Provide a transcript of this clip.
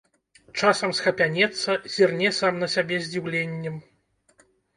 Часам схапянецца, зірне сам на сябе з здзіўленнем.